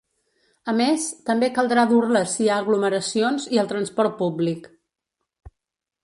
A més, també caldrà dur-la si hi ha aglomeracions i al transport públic.